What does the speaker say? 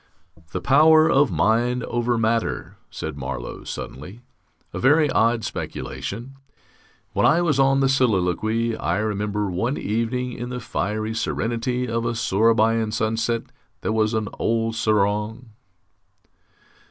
"The power of mind over matter," said Marlow, suddenly, "a very odd speculation. When I was on the Soliloquy, I remember one evening, in the fiery serenity of a Sourabaja sunset, there was an old serang...."